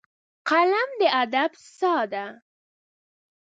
قلم د ادب ساه ده